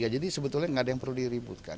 jadi sebetulnya enggak ada yang perlu diributkan